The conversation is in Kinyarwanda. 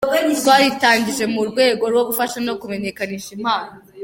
Twaritangije mu rwego rwo gufasha no kumenyekanisha impano.